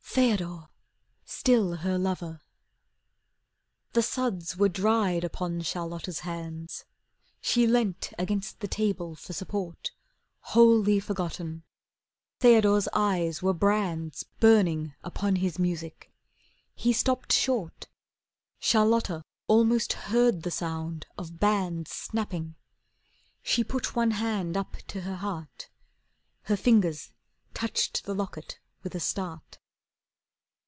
Theodore, still her lover! The suds were dried upon Charlotta's hands, She leant against the table for support, Wholly forgotten. Theodore's eyes were brands Burning upon his music. He stopped short. Charlotta almost heard the sound of bands Snapping. She put one hand up to her heart, Her fingers touched the locket with a start.